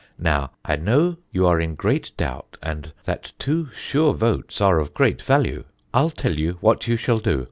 Now, I know you are in great doubt, and that two sure votes are of great value: I'll tell you what you shall do.